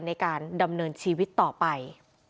ในการดำเนินชีวิตต่อไป